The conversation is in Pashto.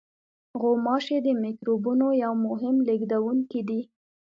غوماشې د میکروبونو یو مهم لېږدوونکی دي.